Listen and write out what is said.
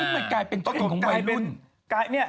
กลายเป็นเจริญของวัยรุ่น